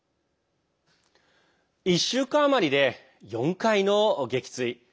１週間余りで４回の撃墜。